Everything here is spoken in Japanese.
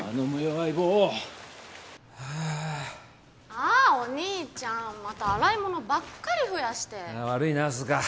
相棒ああお兄ちゃんまた洗い物ばっかり増やして悪いな涼香